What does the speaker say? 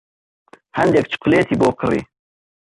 هەندێک چوکلێتی بۆ کڕی.